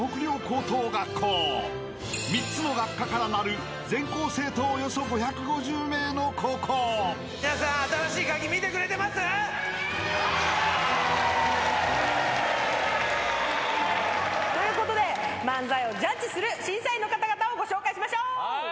［３つの学科からなる全校生徒およそ５５０名の高校］ということで漫才をジャッジする審査員の方々をご紹介しましょう。